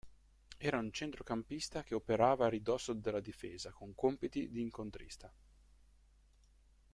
Era un centrocampista che operava a ridosso della difesa con compiti d'incontrista.